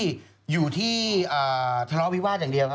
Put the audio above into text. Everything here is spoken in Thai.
อยู่ที่ทะเลาะวิวาสอย่างเดียวครับ